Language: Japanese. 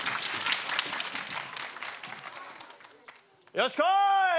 よし来い！